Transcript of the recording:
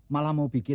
malah mau bikin